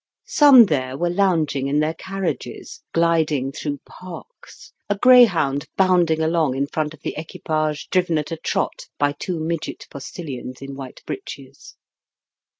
Some there were lounging in their carriages, gliding through parks, a greyhound bounding along in front of the equipage driven at a trot by two midget postilions in white breeches.